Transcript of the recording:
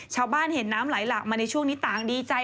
ชาวบ้านเห็นน้ำไหลหลากมาในช่วงนี้ต่างดีใจ